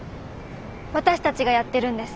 私たちがやってるんです。